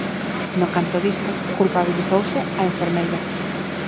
No canto disto, culpabilizouse á enfermeira.